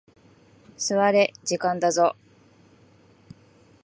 座れ、時間だぞ。